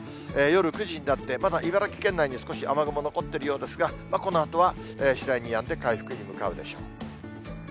夜９時になって、まだ茨城県内に少し雨雲残っているようですが、このあとは次第にやんで回復に向かうでしょう。